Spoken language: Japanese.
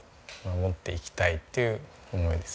守っていきたいっていう思いですよね。